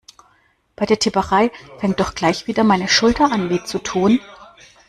Bei der Tipperei fängt doch gleich wieder meine Schulter an weh zu tun.